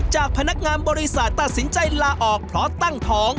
พนักงานบริษัทตัดสินใจลาออกเพราะตั้งท้อง